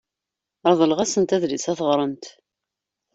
Reḍleɣ-asent adlis ad t-ɣrent.